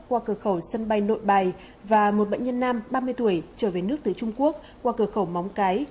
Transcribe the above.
qua cửa khẩu sân bay nội bài và một bệnh nhân nam ba mươi tuổi trở về nước từ trung quốc qua cửa khẩu móng cái